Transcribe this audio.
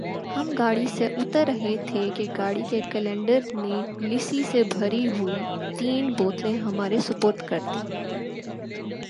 ہم گاڑی سے اتر رہے تھے کہ گاڑی کے کلنڈر نے لسی سے بھری ہوئی تین بوتلیں ہمارے سپرد کر دیں ۔